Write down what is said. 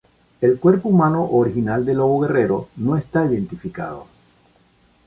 El cuerpo humano original de Lobo Guerrero no está identificado.